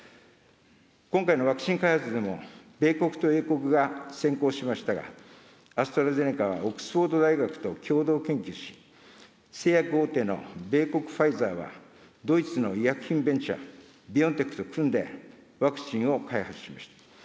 今回のワクチン開発でも米国と英国が先行しましたが、アストラゼネカはオックスフォード大学と共同研究し、製薬大手の米国ファイザーは、ドイツの医薬品ベンチャー、ビオンテックと組んでワクチンを開発しました。